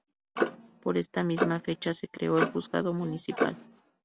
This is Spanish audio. Por esta misma fecha se creó el juzgado municipal.